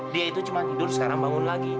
dia itu cuma tidur sekarang bangun lagi